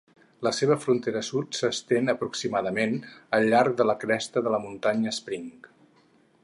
La seva frontera sud s'estén, aproximadament, al llarg de la cresta de la Muntanya Spring.